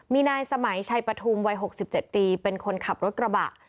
มีนายสมัยชัยปฐุมวัย๖๗ปีเป็นคนขับรถกระบะ